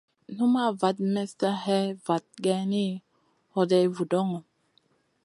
Numaʼ vat mestn hè vat geyni, hoday vudoŋo.